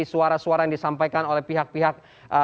suara suara yang disampaikan oleh pihak pihak